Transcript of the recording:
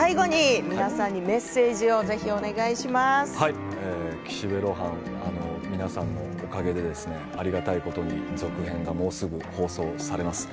皆さんにメッセージを岸辺露伴は皆さんのおかげでありがたいことに続編がもうすぐ放送されます。